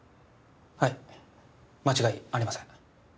はい間違いありません。